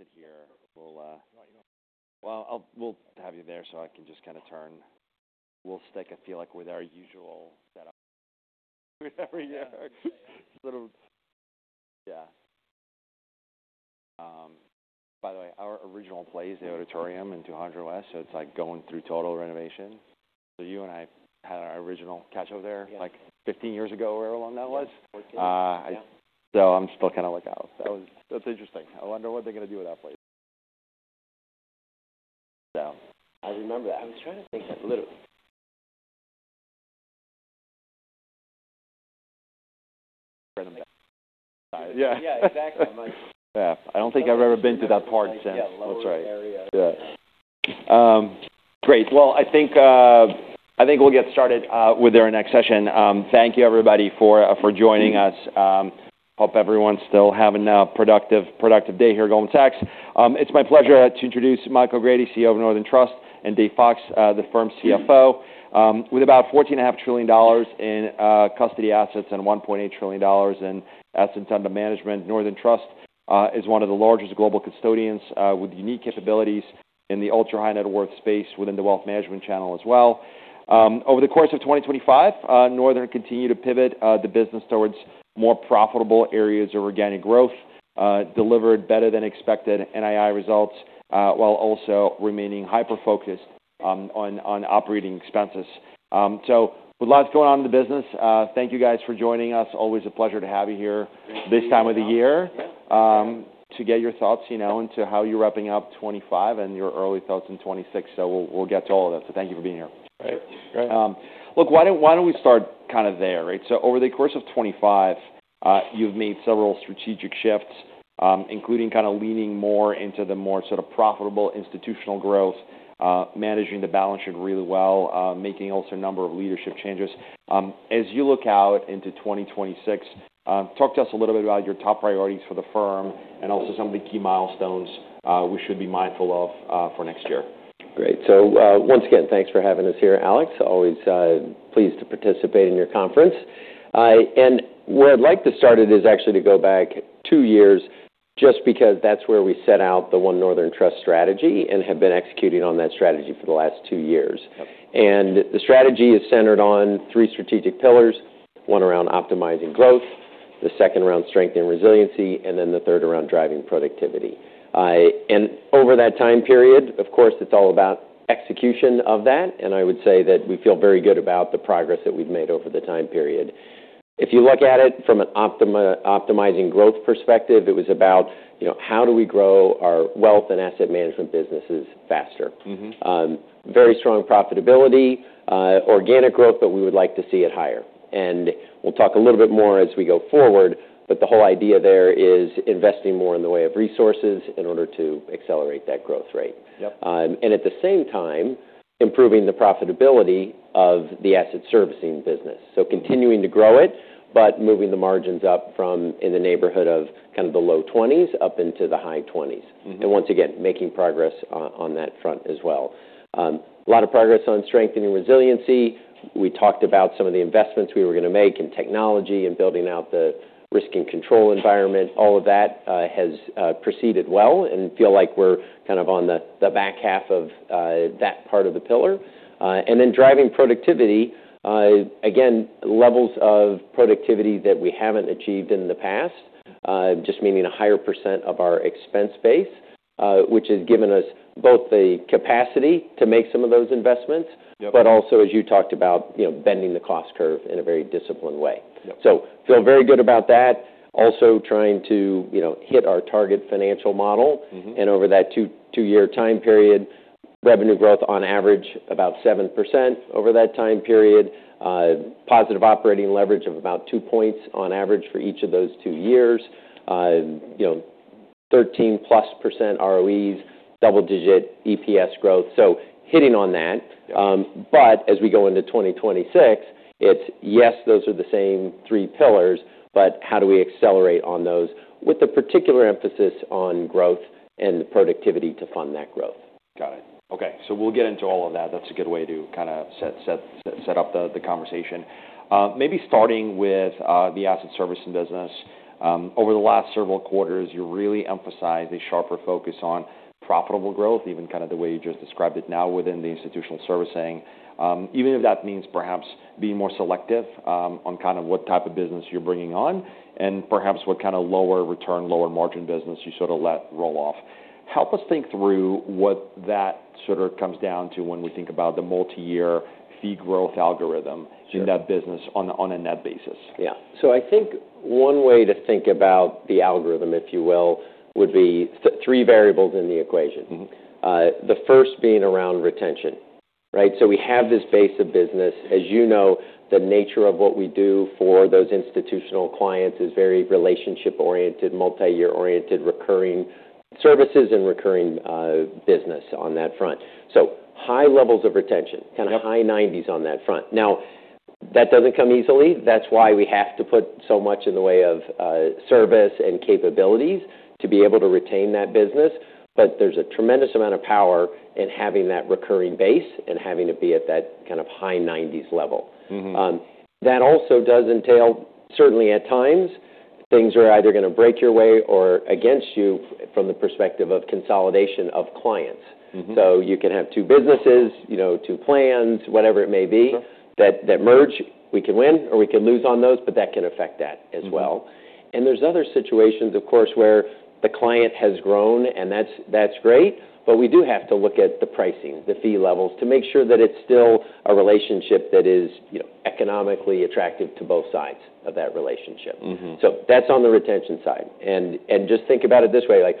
Yeah, I'll sit here. We'll, Why don't you go? We'll have you there so I can just kinda turn. We'll stick, I feel like, with our usual setup. By the way, our original place is the auditorium in 200 West, so it's like going through total renovation. You and I had our original catch-up there. Yeah. Like 15 years ago, however long that was. Yeah. 14. I. Yeah. I'm still kinda like out. That was, that's interesting. I wonder what they're gonna do with that place. Yeah. I remember that. I was trying to think that literally. Random guy. Yeah. Yeah, exactly. I'm like. Yeah. I don't think I've ever been to that part since. Yeah. That's right. Yeah. Great. Well, I think we'll get started with our next session. Thank you, everybody, for joining us. Hope everyone's still having a productive day here at Goldman Sachs. It's my pleasure to introduce Michael O'Grady, CEO of Northern Trust, and Dave Fox, the firm's CFO. With about $14.5 trillion in custody assets and $1.8 trillion in assets under management, Northern Trust is one of the largest global custodians, with unique capabilities in the ultra-high net worth space within the wealth management channel as well. Over the course of 2025, Northern continued to pivot the business towards more profitable areas of organic growth, delivered better-than-expected NII results, while also remaining hyper-focused on operating expenses. So with lots going on in the business, thank you guys for joining us. Always a pleasure to have you here. This time of the year. to get your thoughts, you know, into how you're wrapping up 2025 and your early thoughts in 2026. So we'll get to all of that. So thank you for being here. Right. Right. Look, why don't we start kinda there, right? So over the course of 2025, you've made several strategic shifts, including kinda leaning more into the more sort of profitable institutional growth, managing the balance sheet really well, making also a number of leadership changes. As you look out into 2026, talk to us a little bit about your top priorities for the firm and also some of the key milestones, we should be mindful of, for next year. Great. So, once again, thanks for having us here, Alex. Always pleased to participate in your conference, and where I'd like to start is actually to go back two years just because that's where we set out the One Northern Trust strategy and have been executing on that strategy for the last two years. Yep. And the strategy is centered on three strategic pillars: one around optimizing growth, the second around strengthening resiliency, and then the third around driving productivity. And over that time period, of course, it's all about execution of that. And I would say that we feel very good about the progress that we've made over the time period. If you look at it from an optimizing growth perspective, it was about, you know, how do we grow our Wealth and asset management businesses faster? Mm-hmm. Very strong profitability, organic growth, but we would like to see it higher. And we'll talk a little bit more as we go forward, but the whole idea there is investing more in the way of resources in order to accelerate that growth rate. Yep. And at the same time, improving the profitability of the Asset Servicing business. So continuing to grow it but moving the margins up from in the neighborhood of kind of the low 20s up into the high 20s. Mm-hmm. And once again, making progress on that front as well. A lot of progress on strengthening resiliency. We talked about some of the investments we were gonna make in technology and building out the risk and control environment. All of that has proceeded well and feel like we're kind of on the back half of that part of the pillar. And then driving productivity, again, levels of productivity that we haven't achieved in the past, just meaning a higher percent of our expense base, which has given us both the capacity to make some of those investments. Yep. But also, as you talked about, you know, bending the cost curve in a very disciplined way. Yep. So feel very good about that. Also trying to, you know, hit our target financial model. Mm-hmm. And over that two-year time period, revenue growth on average about 7% over that time period, positive operating leverage of about 2 points on average for each of those two years, you know, 13+% ROEs, double-digit EPS growth. So hitting on that. Yep. But as we go into 2026, it's, yes, those are the same three pillars, but how do we accelerate on those with the particular emphasis on growth and productivity to fund that growth? Got it. Okay. So we'll get into all of that. That's a good way to kinda set up the conversation. Maybe starting with the asset servicing business. Over the last several quarters, you really emphasized a sharper focus on profitable growth, even kinda the way you just described it now within the institutional servicing, even if that means perhaps being more selective on kinda what type of business you're bringing on and perhaps what kinda lower-return, lower-margin business you sort of let roll off. Help us think through what that sort of comes down to when we think about the multi-year fee growth algorithm. Sure. In that business on a net basis. Yeah, so I think one way to think about the algorithm, if you will, would be three variables in the equation. Mm-hmm. The first being around retention, right? So we have this base of business. As you know, the nature of what we do for those institutional clients is very relationship-oriented, multi-year-oriented, recurring services and recurring business on that front. So high levels of retention. Yep. Kinda high 90s on that front. Now, that doesn't come easily. That's why we have to put so much in the way of service and capabilities to be able to retain that business. But there's a tremendous amount of power in having that recurring base and having it be at that kind of high 90s level. Mm-hmm. that also does entail, certainly at times, things are either gonna break your way or against you from the perspective of consolidation of clients. Mm-hmm. So you can have two businesses, you know, two plans, whatever it may be. Sure. That margin, we can win or we can lose on those, but that can affect that as well. Mm-hmm. And there's other situations, of course, where the client has grown, and that's, that's great, but we do have to look at the pricing, the fee levels to make sure that it's still a relationship that is, you know, economically attractive to both sides of that relationship. Mm-hmm. So that's on the retention side. And just think about it this way, like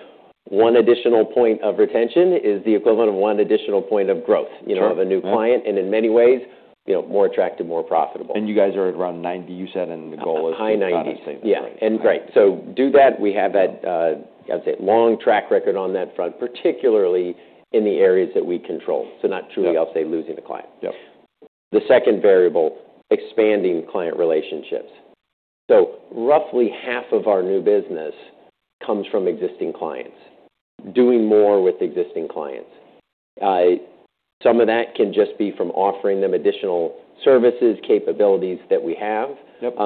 one additional point of retention is the equivalent of one additional point of growth. Sure. You know, of a new client, and in many ways, you know, more attractive, more profitable. And you guys are at around 90, you said, and the goal is to. high 90s. Probably saying that, right? Yeah, and great, so do that. We have that, I would say, long track record on that front, particularly in the areas that we control, so not truly. Yeah. I'll say, losing a client. Yep. The second variable, expanding client relationships. So roughly half of our new business comes from existing clients, doing more with existing clients. Some of that can just be from offering them additional services, capabilities that we have. Yep.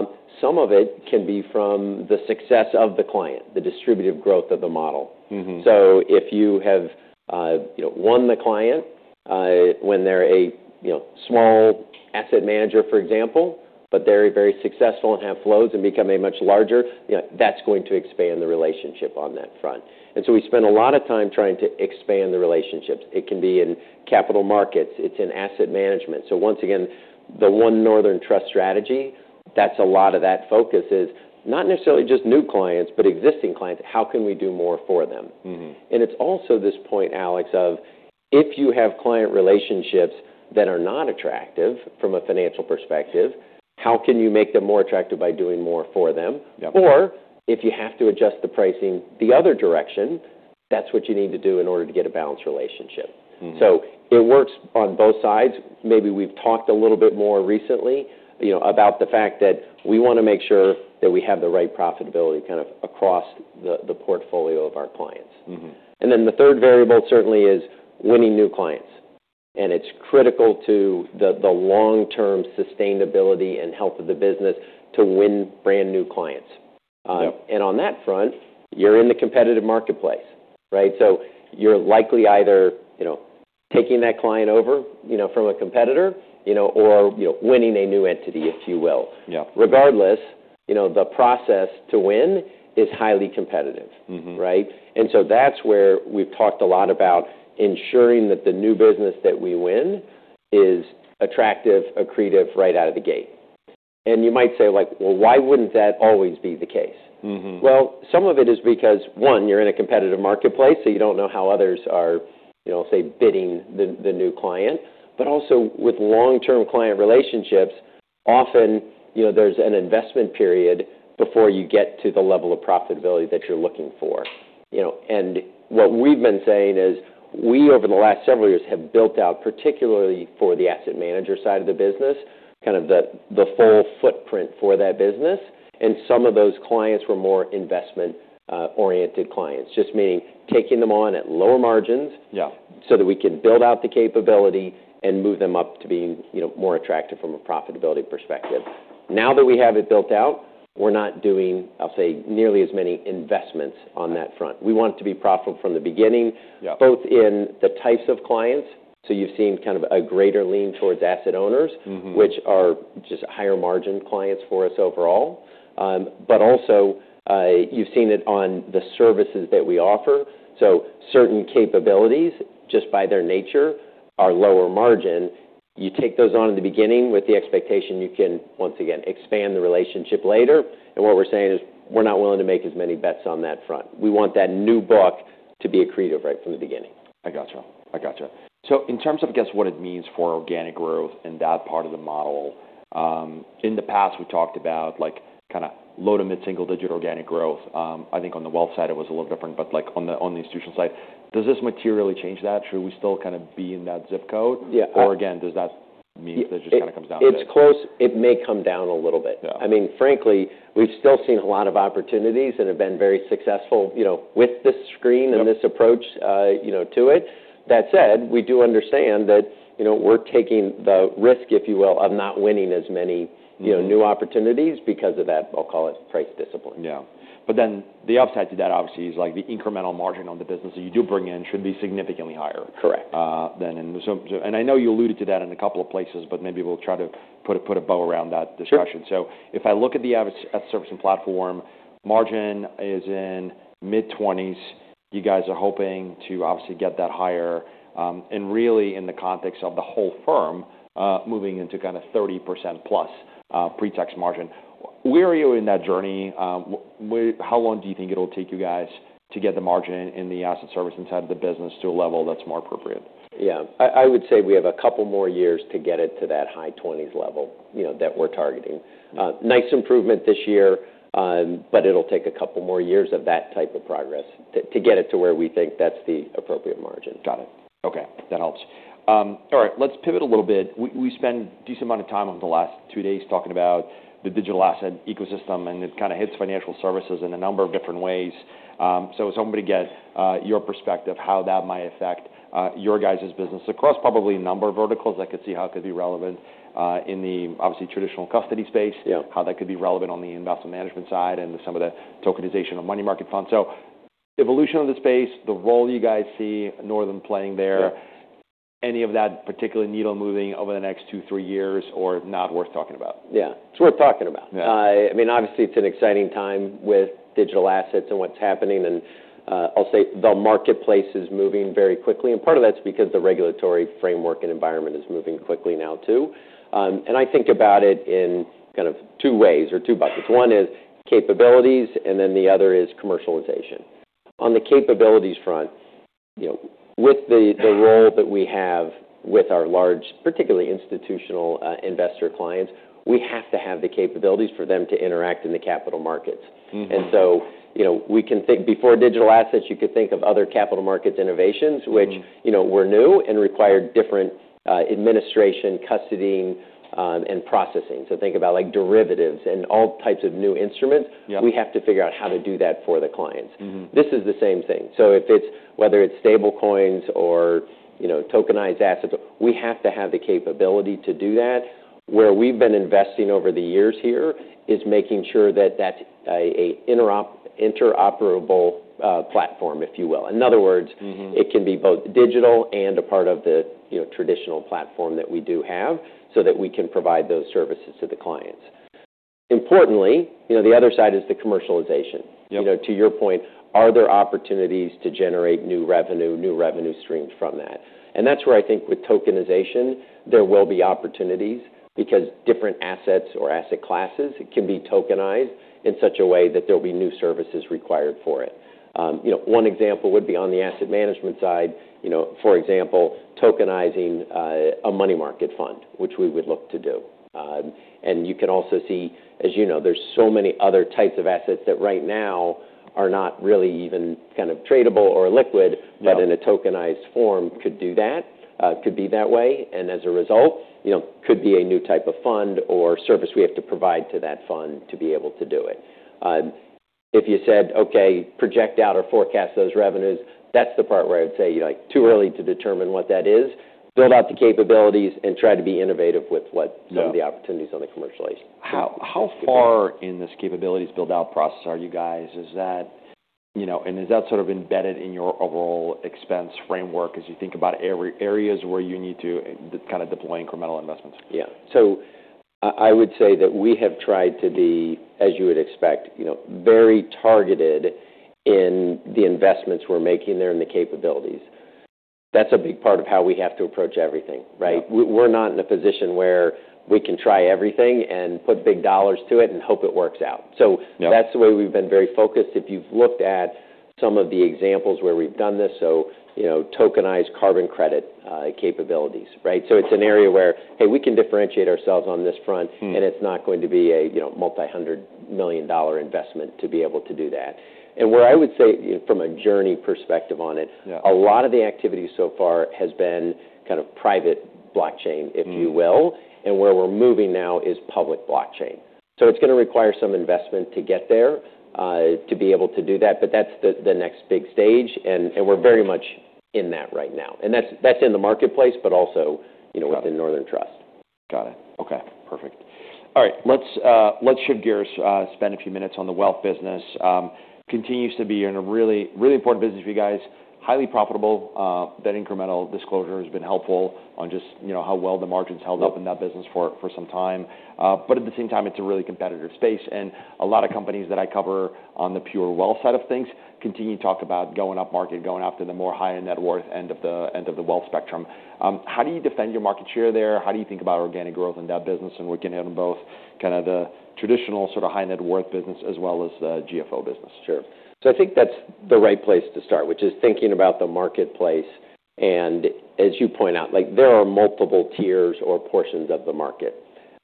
Some of it can be from the success of the client, the distributive growth of the model. Mm-hmm. So if you have, you know, won the client, when they're a, you know, small asset manager, for example, but they're very successful and have flows and become a much larger, you know, that's going to expand the relationship on that front. And so we spend a lot of time trying to expand the relationships. It can be in capital markets. It's in asset management. So once again, the One Northern Trust strategy, that's a lot of that focus is not necessarily just new clients, but existing clients. How can we do more for them? Mm-hmm. It's also this point, Alex, of if you have client relationships that are not attractive from a financial perspective, how can you make them more attractive by doing more for them? Yep. Or if you have to adjust the pricing the other direction, that's what you need to do in order to get a balanced relationship. Mm-hmm. So it works on both sides. Maybe we've talked a little bit more recently, you know, about the fact that we wanna make sure that we have the right profitability kind of across the portfolio of our clients. Mm-hmm. And then the third variable certainly is winning new clients. And it's critical to the long-term sustainability and health of the business to win brand new clients. Yep. And on that front, you're in the competitive marketplace, right? So you're likely either, you know, taking that client over, you know, from a competitor, you know, or, you know, winning a new entity, if you will. Yeah. Regardless, you know, the process to win is highly competitive. Mm-hmm. Right? And so that's where we've talked a lot about ensuring that the new business that we win is attractive, accretive right out of the gate. And you might say, like, well, why wouldn't that always be the case? Mm-hmm. Well, some of it is because, one, you're in a competitive marketplace, so you don't know how others are, you know, say, bidding the new client. But also with long-term client relationships, often, you know, there's an investment period before you get to the level of profitability that you're looking for, you know. And what we've been saying is we, over the last several years, have built out, particularly for the asset manager side of the business, kind of the full footprint for that business. And some of those clients were more investment-oriented clients, just meaning taking them on at lower margins. Yeah. So that we can build out the capability and move them up to being, you know, more attractive from a profitability perspective. Now that we have it built out, we're not doing, I'll say, nearly as many investments on that front. We want to be profitable from the beginning. Yeah. Both in the types of clients. So you've seen kind of a greater lean towards asset owners. Mm-hmm. Which are just higher margin clients for us overall, but also, you've seen it on the services that we offer, so certain capabilities, just by their nature, are lower margin. You take those on in the beginning with the expectation you can, once again, expand the relationship later, and what we're saying is we're not willing to make as many bets on that front. We want that new bulk to be accretive right from the beginning. I gotcha. I gotcha. So in terms of, I guess, what it means for organic growth in that part of the model, in the past, we talked about, like, kinda low to mid-single-digit organic growth. I think on the wealth side, it was a little different, but, like, on the institutional side, does this materially change that? Should we still kinda be in that zip code? Yeah. Or again, does that mean it just kinda comes down to? It's close. It may come down a little bit. Yeah. I mean, frankly, we've still seen a lot of opportunities and have been very successful, you know, with this screen and this approach. Mm-hmm. You know, to it. That said, we do understand that, you know, we're taking the risk, if you will, of not winning as many. Mm-hmm. You know, new opportunities because of that, I'll call it, price discipline. Yeah, but then the upside to that, obviously, is, like, the incremental margin on the business that you do bring in should be significantly higher. Correct. I know you alluded to that in a couple of places, but maybe we'll try to put a bow around that discussion. Sure. So if I look at the asset servicing platform, margin is in mid-20s. You guys are hoping to obviously get that higher, and really, in the context of the whole firm, moving into kinda 30%-plus pre-tax margin, where are you in that journey? How long do you think it'll take you guys to get the margin in the asset servicing side of the business to a level that's more appropriate? Yeah. I would say we have a couple more years to get it to that high 20s level, you know, that we're targeting. Mm-hmm. Nice improvement this year, but it'll take a couple more years of that type of progress to get it to where we think that's the appropriate margin. Got it. Okay. That helps. All right. Let's pivot a little bit. We spent a decent amount of time over the last two days talking about the digital asset ecosystem, and it kinda hits financial services in a number of different ways, so I was hoping to get your perspective how that might affect your guys' business across probably a number of verticals. I could see how it could be relevant in the obviously traditional custody space. Yeah. How that could be relevant on the investment management side and some of the tokenization of money market funds? So evolution of the space, the role you guys see Northern playing there? Yeah. Any of that particular needle moving over the next two, three years, or not worth talking about? Yeah. It's worth talking about. Yeah. I mean, obviously, it's an exciting time with digital assets and what's happening, and I'll say the marketplace is moving very quickly, and part of that's because the regulatory framework and environment is moving quickly now too, and I think about it in kind of two ways or two buckets. One is capabilities, and then the other is commercialization. On the capabilities front, you know, with the role that we have with our large, particularly institutional, investor clients, we have to have the capabilities for them to interact in the capital markets. Mm-hmm. And so, you know, we can think before digital assets, you could think of other capital markets innovations, which, you know, were new and required different, administration, custody, and processing. So think about, like, derivatives and all types of new instruments. Yeah. We have to figure out how to do that for the clients. Mm-hmm. This is the same thing. So whether it's stablecoins or, you know, tokenized assets, we have to have the capability to do that. Where we've been investing over the years here is making sure that that's an interoperable platform, if you will. In other words. Mm-hmm. It can be both digital and a part of the, you know, traditional platform that we do have so that we can provide those services to the clients. Importantly, you know, the other side is the commercialization. Yep. You know, to your point, are there opportunities to generate new revenue, new revenue streams from that? And that's where I think with tokenization, there will be opportunities because different assets or asset classes can be tokenized in such a way that there'll be new services required for it. You know, one example would be on the asset management side, you know, for example, tokenizing, a money market fund, which we would look to do. And you can also see, as you know, there's so many other types of assets that right now are not really even kind of tradable or liquid. Yeah. But in a tokenized form could do that, could be that way. And as a result, you know, could be a new type of fund or service we have to provide to that fund to be able to do it. If you said, "Okay, project out or forecast those revenues," that's the part where I would say, you know, like, too early to determine what that is. Build out the capabilities and try to be innovative with what some of the opportunities on the commercialization. How far in this capabilities build-out process are you guys? Is that, you know, and is that sort of embedded in your overall expense framework as you think about areas where you need to kinda deploy incremental investments? Yeah, so I would say that we have tried to be, as you would expect, you know, very targeted in the investments we're making there and the capabilities. That's a big part of how we have to approach everything, right? Mm-hmm. We're not in a position where we can try everything and put big dollars to it and hope it works out. So. Yeah. That's the way we've been very focused. If you've looked at some of the examples where we've done this, so, you know, tokenized carbon credit, capabilities, right? So it's an area where, hey, we can differentiate ourselves on this front. Mm-hmm. And it's not going to be a, you know, multi-hundred-million-dollar investment to be able to do that. And where I would say, you know, from a journey perspective on it. Yeah. A lot of the activity so far has been kind of private blockchain, if you will. Mm-hmm. Where we're moving now is public blockchain. It's gonna require some investment to get there, to be able to do that. That's the next big stage. We're very much in that right now. That's in the marketplace, but also, you know, within Northern Trust. Got it. Okay. Perfect. All right. Let's shift gears, spend a few minutes on the wealth business. The wealth business continues to be a really, really important business for you guys, highly profitable. That incremental disclosure has been helpful on just, you know, how well the margins held up in that business for some time, but at the same time, it's a really competitive space and a lot of companies that I cover on the pure wealth side of things continue to talk about going up market, going after the more higher net worth end of the end of the wealth spectrum. How do you defend your market share there? How do you think about organic growth in that business and working on both kinda the traditional sort of high net worth business as well as the GFO business? Sure. So I think that's the right place to start, which is thinking about the marketplace. And as you point out, like, there are multiple tiers or portions of the market.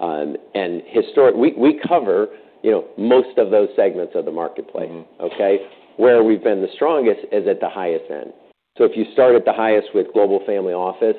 And historically, we cover, you know, most of those segments of the marketplace. Mm-hmm. Okay? Where we've been the strongest is at the highest end. So if you start at the highest with Global Family Office,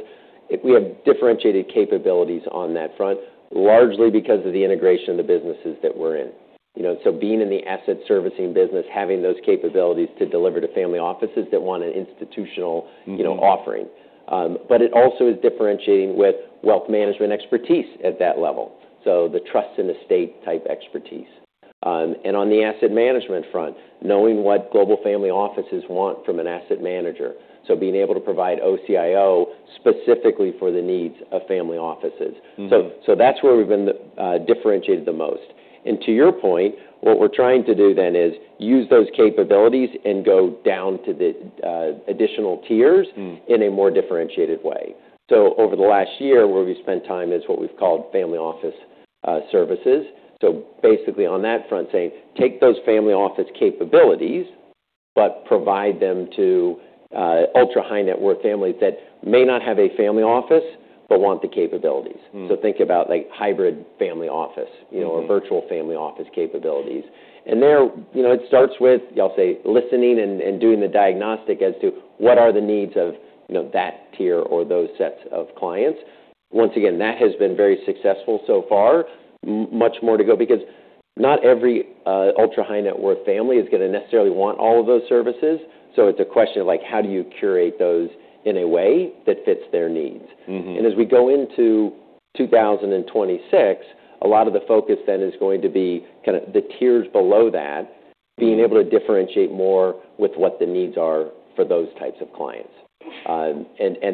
we have differentiated capabilities on that front, largely because of the integration of the businesses that we're in, you know. So being in the asset servicing business, having those capabilities to deliver to family offices that want an institutional, you know, offering. Mm-hmm. But it also is differentiating with wealth management expertise at that level, so the trust and estate type expertise, and on the asset management front, knowing what Global Family Offices want from an asset manager, so being able to provide OCIO specifically for the needs of family offices. Mm-hmm. So, that's where we've been differentiated the most. And to your point, what we're trying to do then is use those capabilities and go down to the additional tiers. Mm-hmm. In a more differentiated way. So over the last year, where we spent time is what we've called Family Office Services. So basically, on that front, say, take those family office capabilities but provide them to ultra-high net worth families that may not have a family office but want the capabilities. Mm-hmm. So think about, like, hybrid family office, you know. Mm-hmm. or virtual family office capabilities. and there, you know, it starts with, y'all say, listening and doing the diagnostic as to what are the needs of, you know, that tier or those sets of clients. Once again, that has been very successful so far, much more to go because not every, ultra-high net worth family is gonna necessarily want all of those services. so it's a question of, like, how do you curate those in a way that fits their needs? Mm-hmm. And as we go into 2026, a lot of the focus then is going to be kinda the tiers below that, being able to differentiate more with what the needs are for those types of clients, and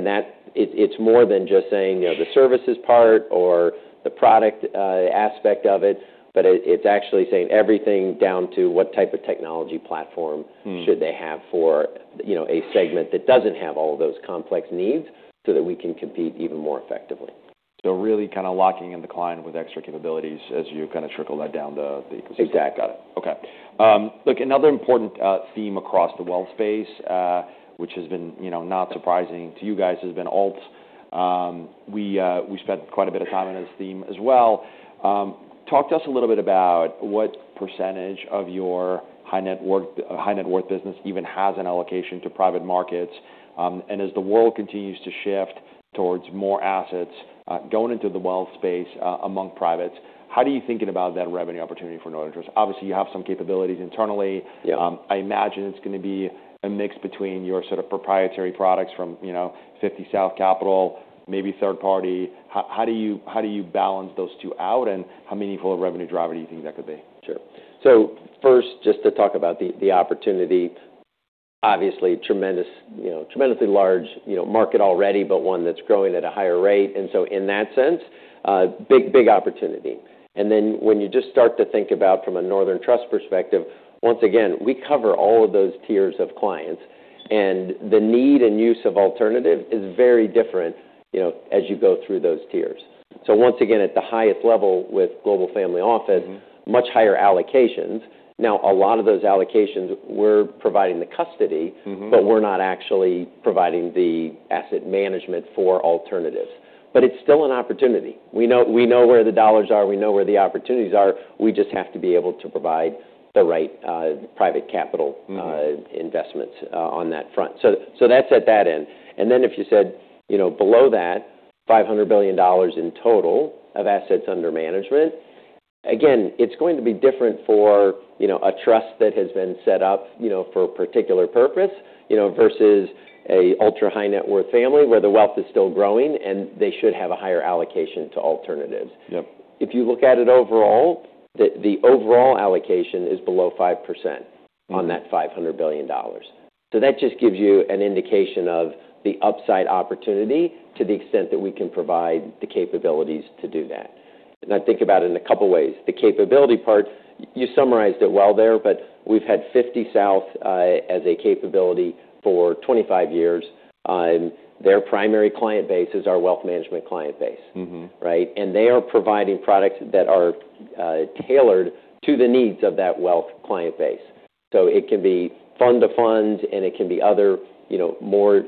that it's more than just saying, you know, the services part or the product aspect of it, but it's actually saying everything down to what type of technology platform. Mm-hmm. Should they have for, you know, a segment that doesn't have all of those complex needs so that we can compete even more effectively? So really kinda locking in the client with extra capabilities as you kinda trickle that down the ecosystem. Exactly. Got it. Okay. Look, another important theme across the wealth space, which has been, you know, not surprising to you guys, has been alts. We spent quite a bit of time on this theme as well. Talk to us a little bit about what percentage of your high net worth business even has an allocation to private markets, and as the world continues to shift towards more assets going into the wealth space among privates, how do you think about that revenue opportunity for Northern Trust? Obviously, you have some capabilities internally. Yeah. I imagine it's gonna be a mix between your sort of proprietary products from, you know, 50 South Capital, maybe third party. How do you balance those two out, and how meaningful a revenue driver do you think that could be? Sure. So first, just to talk about the opportunity, obviously tremendous, you know, tremendously large, you know, market already, but one that's growing at a higher rate. And so in that sense, big, big opportunity. And then when you just start to think about from a Northern Trust perspective, once again, we cover all of those tiers of clients, and the need and use of alternative is very different, you know, as you go through those tiers. So once again, at the highest level with Global Family Office. Mm-hmm. Much higher allocations. Now, a lot of those allocations, we're providing the custody. Mm-hmm. But we're not actually providing the asset management for alternatives. But it's still an opportunity. We know, we know where the dollars are. We know where the opportunities are. We just have to be able to provide the right private capital. Mm-hmm. Investments, on that front. So, that's at that end. And then if you said, you know, below that, $500 billion in total of assets under management, again, it's going to be different for, you know, a trust that has been set up, you know, for a particular purpose, you know, versus an ultra-high net worth family where the wealth is still growing, and they should have a higher allocation to alternatives. Yep. If you look at it overall, the overall allocation is below 5%. Mm-hmm. On that $500 billion. So that just gives you an indication of the upside opportunity to the extent that we can provide the capabilities to do that. And I think about it in a couple of ways. The capability part, you summarized it well there, but we've had 50 South, as a capability for 25 years. Their primary client base is our wealth management client base. Mm-hmm. Right? And they are providing products that are tailored to the needs of that wealth client base. So it can be fund of fund, and it can be other, you know, more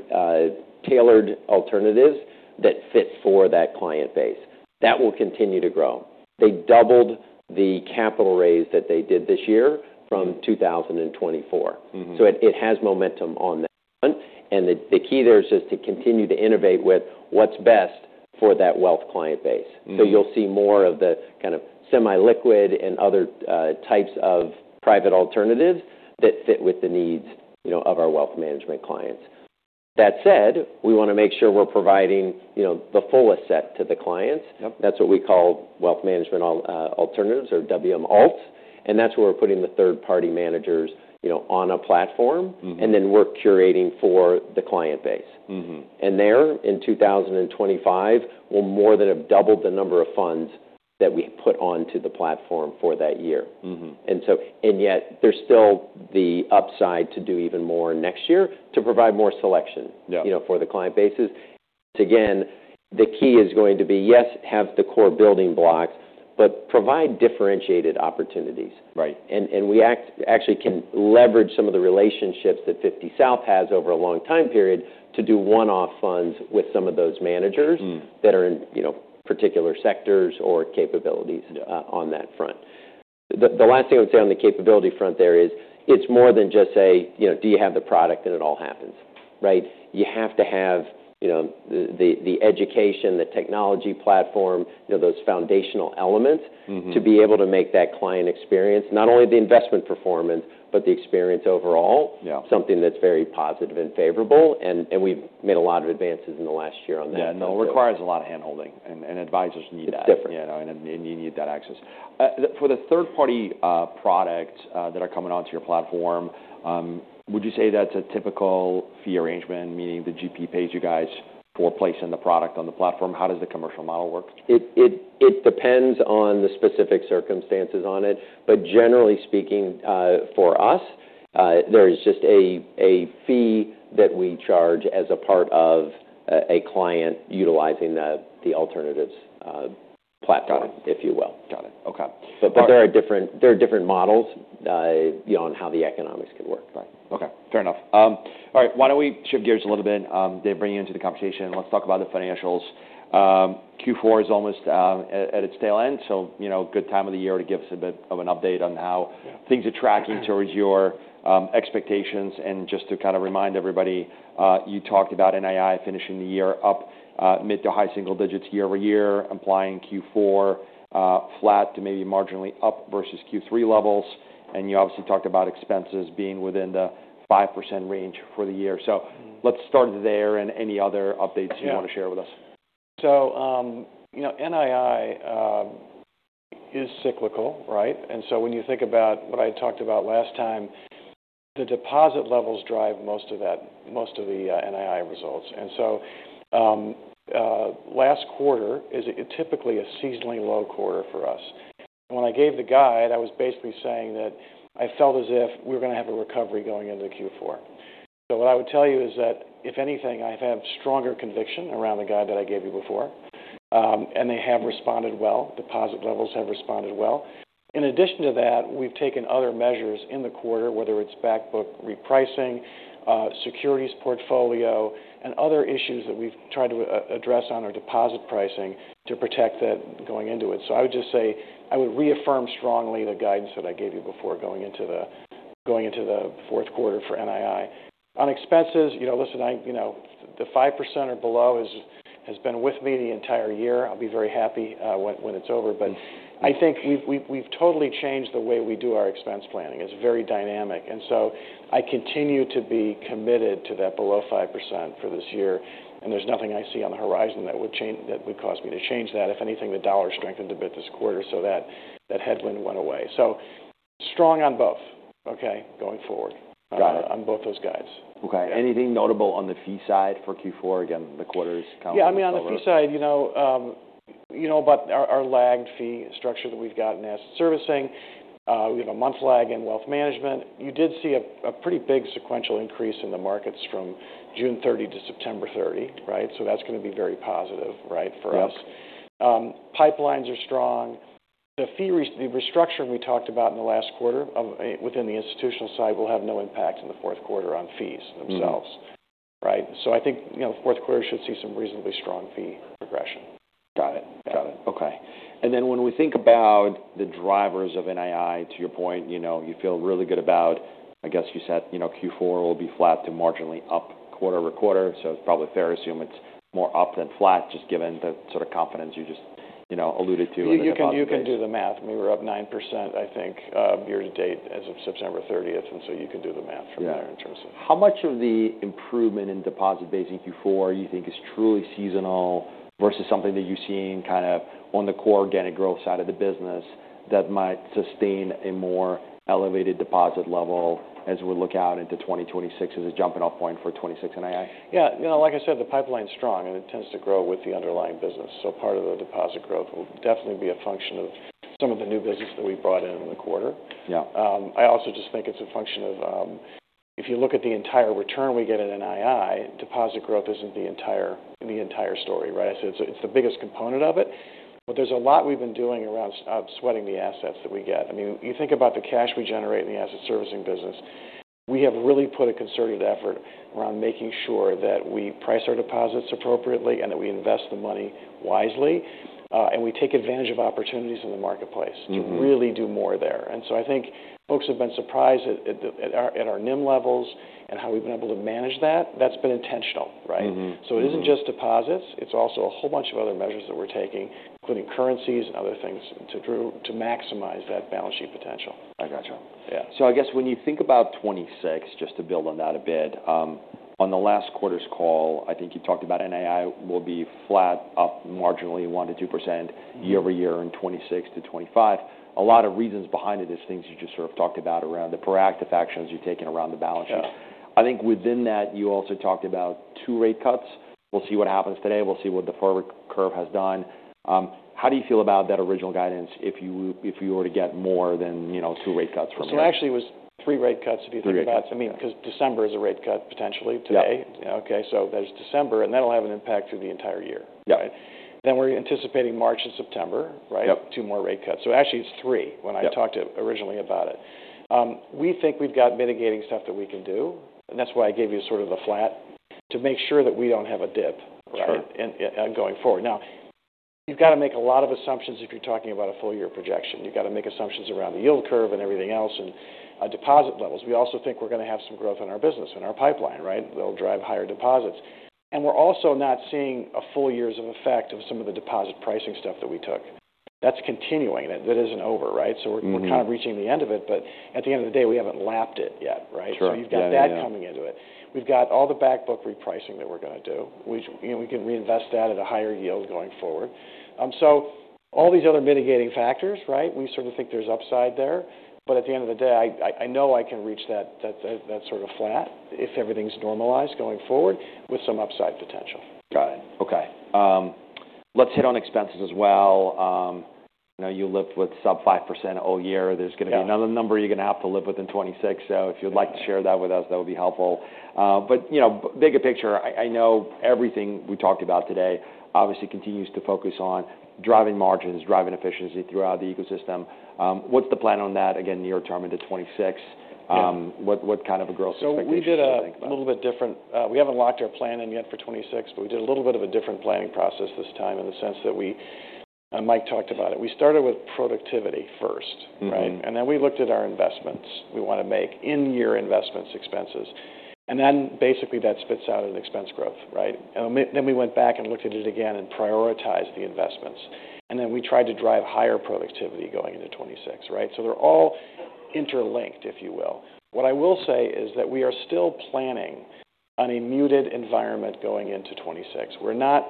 tailored alternatives that fit for that client base. That will continue to grow. They doubled the capital raise that they did this year from 2024. Mm-hmm. So it has momentum on that front. And the key there is just to continue to innovate with what's best for that wealth client base. Mm-hmm. So you'll see more of the kind of semi-liquid and other types of private alternatives that fit with the needs, you know, of our wealth management clients. That said, we wanna make sure we're providing, you know, the fullest set to the clients. Yep. That's what we call wealth management alternatives or WM Alts, and that's where we're putting the third-party managers, you know, on a platform. Mm-hmm. And then we're curating for the client base. Mm-hmm. There, in 2025, we'll more than have doubled the number of funds that we put onto the platform for that year. Mm-hmm. There's still the upside to do even more next year to provide more selection. Yeah. You know, for the client bases. Again, the key is going to be, yes, have the core building blocks, but provide differentiated opportunities. Right. We actually can leverage some of the relationships that 50 South has over a long time period to do one-off funds with some of those managers. Mm-hmm. That are in, you know, particular sectors or capabilities. Yeah. on that front. The last thing I would say on the capability front there is it's more than just say, you know, do you have the product and it all happens, right? You have to have, you know, the education, the technology platform, you know, those foundational elements. Mm-hmm. To be able to make that client experience not only the investment performance but the experience overall. Yeah. Something that's very positive and favorable. And we've made a lot of advances in the last year on that. Yeah. No, it requires a lot of hand-holding, and advisors need that. It's different. You know, and you need that access for the third-party products that are coming onto your platform. Would you say that's a typical fee arrangement, meaning the GP pays you guys for placing the product on the platform? How does the commercial model work? It depends on the specific circumstances on it, but generally speaking, for us, there is just a fee that we charge as a part of a client utilizing the alternatives platform, if you will. Got it. Got it. Okay. But there are different models, you know, on how the economics could work. Right. Okay. Fair enough. All right. Why don't we shift gears a little bit, Dave, bring you into the conversation? Let's talk about the financials. Q4 is almost at its tail end, so, you know, good time of the year to give us a bit of an update on how Things are tracking towards your expectations. And just to kinda remind everybody, you talked about NII finishing the year up mid to high single digits year over year, implying Q4 flat to maybe marginally up versus Q3 levels. And you obviously talked about expenses being within the 5% range for the year. So let's start there. And any other updates you wanna share with us? Yeah. So, you know, NII is cyclical, right, and so when you think about what I talked about last time, the deposit levels drive most of that, most of the NII results, and so last quarter is typically a seasonally low quarter for us, and when I gave the guide, I was basically saying that I felt as if we were gonna have a recovery going into Q4, so what I would tell you is that, if anything, I have stronger conviction around the guide that I gave you before, and they have responded well. Deposit levels have responded well. In addition to that, we've taken other measures in the quarter, whether it's backbook repricing, securities portfolio, and other issues that we've tried to address on our deposit pricing to protect that going into it. So I would just say I would reaffirm strongly the guidance that I gave you before going into the fourth quarter for NII. On expenses, you know, listen, you know, the 5% or below has been with me the entire year. I'll be very happy when it's over. But I think we've totally changed the way we do our expense planning. It's very dynamic. And so I continue to be committed to that below 5% for this year. And there's nothing I see on the horizon that would cause me to change that. If anything, the dollar strengthened a bit this quarter, so that headwind went away. So strong on both, okay, going forward. Got it. On both those guides. Okay. Anything notable on the fee side for Q4? Again, the quarter's kind of. Yeah. I mean, on the fee side, you know about our lagged fee structure that we've got in asset servicing. We have a month lag in wealth management. You did see a pretty big sequential increase in the markets from June 30 to September 30, right? So that's gonna be very positive, right, for us. Yep. Pipelines are strong. The fee reset, the restructuring we talked about in the last quarter or within the institutional side, will have no impact in the fourth quarter on fees themselves, right? So I think, you know, the fourth quarter should see some reasonably strong fee progression. Got it. Got it. Okay. And then when we think about the drivers of NII, to your point, you know, you feel really good about, I guess you said, you know, Q4 will be flat to marginally up quarter over quarter. So it's probably fair to assume it's more up than flat, just given the sort of confidence you just, you know, alluded to. Yeah. You can, you can do the math. We were up 9%, I think, year to date as of September 30th. And so you can do the math from there in terms of. Yeah. How much of the improvement in deposit base in Q4 you think is truly seasonal versus something that you've seen kind of on the core organic growth side of the business that might sustain a more elevated deposit level as we look out into 2026 as a jumping-off point for '26 NII? Yeah. You know, like I said, the pipeline's strong, and it tends to grow with the underlying business, so part of the deposit growth will definitely be a function of some of the new business that we brought in the quarter. Yeah. I also just think it's a function of, if you look at the entire return we get in NII, deposit growth isn't the entire, the entire story, right? So it's, it's the biggest component of it. But there's a lot we've been doing around sweating the assets that we get. I mean, you think about the cash we generate in the asset servicing business. We have really put a concerted effort around making sure that we price our deposits appropriately and that we invest the money wisely, and we take advantage of opportunities in the marketplace. Mm-hmm. To really do more there. And so I think folks have been surprised at our NIM levels and how we've been able to manage that. That's been intentional, right? Mm-hmm. So it isn't just deposits. It's also a whole bunch of other measures that we're taking, including currencies and other things to try to maximize that balance sheet potential. I gotcha. Yeah. So I guess when you think about 2026, just to build on that a bit, on the last quarter's call, I think you talked about NII will be flat up marginally 1%-2% year-over-year in 2026 to 2025. A lot of reasons behind it is things you just sort of talked about around the proactive actions you've taken around the balance sheet. Yeah. I think within that, you also talked about two rate cuts. We'll see what happens today. We'll see what the forward curve has done. How do you feel about that original guidance if you were to get more than, you know, two rate cuts from there? So actually, it was three rate cuts if you think about it. Three rate cuts. I mean, 'cause December is a rate cut potentially today. Yeah. Okay. So there's December, and that'll have an impact through the entire year, right? Yeah. Then we're anticipating March and September, right? Yep. Two more rate cuts. So actually, it's three when I talked to. Yeah. Originally about it. We think we've got mitigating stuff that we can do. And that's why I gave you sort of the flat to make sure that we don't have a dip, right? Sure. And going forward. Now, you've gotta make a lot of assumptions if you're talking about a full-year projection. You've gotta make assumptions around the yield curve and everything else and deposit levels. We also think we're gonna have some growth in our business, in our pipeline, right? That'll drive higher deposits. And we're also not seeing a full year's effect of some of the deposit pricing stuff that we took. That's continuing. That, that isn't over, right? So we're. Yeah. We're kind of reaching the end of it. But at the end of the day, we haven't lapped it yet, right? Sure. So you've got that coming into it. We've got all the backbook repricing that we're gonna do, which, you know, we can reinvest that at a higher yield going forward, so all these other mitigating factors, right? We sort of think there's upside there. But at the end of the day, I know I can reach that sort of flat if everything's normalized going forward with some upside potential. Got it. Okay. Let's hit on expenses as well. I know you lived with sub-5% all year. There's gonna be another number you're gonna have to live with in 2026. So if you'd like to share that with us, that would be helpful, but you know, bigger picture, I know everything we talked about today obviously continues to focus on driving margins, driving efficiency throughout the ecosystem. What's the plan on that, again, near term into 2026? What kind of a growth expectation do you think about? So we did a little bit different. We haven't locked our plan in yet for 2026, but we did a little bit of a different planning process this time in the sense that we, Mike talked about it. We started with productivity first, right? Mm-hmm. And then we looked at our investments. We wanna make in-year investments expenses. And then basically that spits out an expense growth, right? And then we went back and looked at it again and prioritized the investments. And then we tried to drive higher productivity going into 2026, right? So they're all interlinked, if you will. What I will say is that we are still planning on a muted environment going into 2026. We're not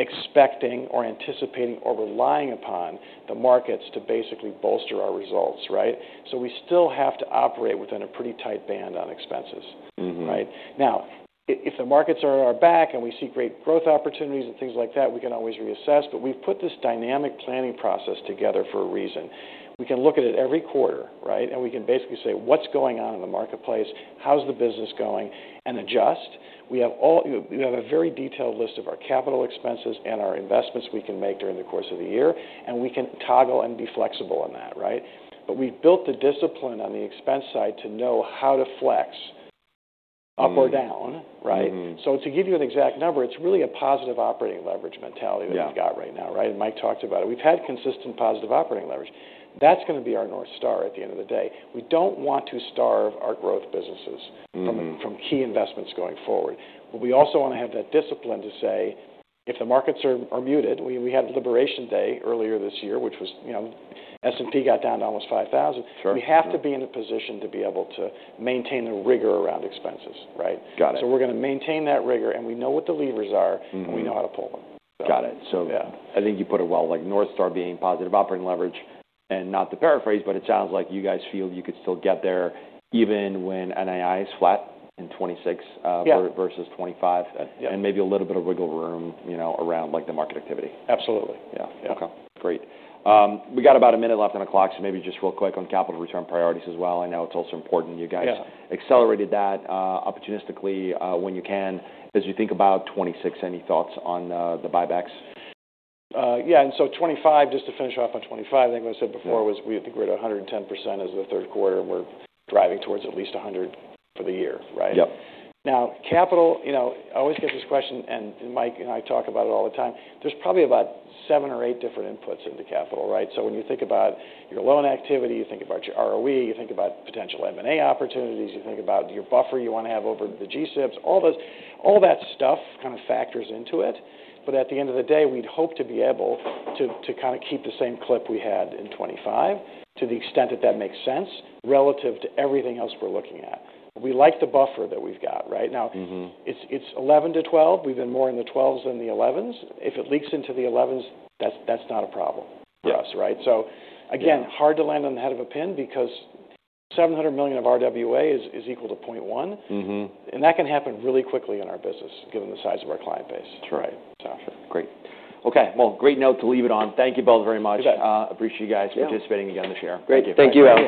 expecting or anticipating or relying upon the markets to basically bolster our results, right? So we still have to operate within a pretty tight band on expenses, right? Mm-hmm. Now, if the markets are on our back and we see great growth opportunities and things like that, we can always reassess. But we've put this dynamic planning process together for a reason. We can look at it every quarter, right? And we can basically say, "What's going on in the marketplace? How's the business going?" and adjust. We have a very detailed list of our capital expenses and our investments we can make during the course of the year. And we can toggle and be flexible in that, right? But we've built the discipline on the expense side to know how to flex up or down, right? Mm-hmm. So to give you an exact number, it's really a positive operating leverage mentality that we've got right now, right? Yeah. Mike talked about it. We've had consistent positive operating leverage. That's gonna be our north star at the end of the day. We don't want to starve our growth businesses. Mm-hmm. From key investments going forward. But we also wanna have that discipline to say, "If the markets are muted," we had Liberation Day earlier this year, which was, you know, S&P got down to almost 5,000. Sure. We have to be in a position to be able to maintain the rigor around expenses, right? Got it. So we're gonna maintain that rigor, and we know what the levers are. Mm-hmm. We know how to pull them. Got it. Yeah. So I think you put it well, like North Star being positive operating leverage. And not to paraphrase, but it sounds like you guys feel you could still get there even when NII is flat in 2026 versus 2025. Yeah. Maybe a little bit of wiggle room, you know, around, like, the market activity. Absolutely. Yeah. Yeah. Okay. Great. We got about a minute left on the clock, so maybe just real quick on capital return priorities as well. I know it's also important you guys. Yeah. Accelerated that, opportunistically, when you can. As you think about 2026, any thoughts on the buybacks? Yeah. And so 2025, just to finish off on 2025, I think what I said before was we had to grow to 110% as of the third quarter, and we're driving towards at least 100% for the year, right? Yep. Now, capital, you know, I always get this question, and, and Mike and I talk about it all the time. There's probably about seven or eight different inputs into capital, right? So when you think about your loan activity, you think about your ROE, you think about potential M&A opportunities, you think about your buffer you wanna have over the G-SIBs, all those, all that stuff kinda factors into it. But at the end of the day, we'd hope to be able to, to kinda keep the same clip we had in 2025 to the extent that that makes sense relative to everything else we're looking at. We like the buffer that we've got, right? Now. Mm-hmm. It's 11 to 12. We've been more in the 12s than the 11s. If it leaks into the 11s, that's not a problem for us, right? Yeah. So again, hard to land on the head of a pin because $700 million of RWA is equal to 0.1. Mm-hmm. That can happen really quickly in our business given the size of our client base. Sure. Right? Sure. Great. Okay. Well, great note to leave it on. Thank you both very much. Okay. Appreciate you guys participating again in this year. Thank you. Thank you.